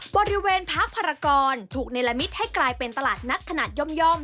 บริเวณพักภารกรถูกในละมิตให้กลายเป็นตลาดนัดขนาดย่อม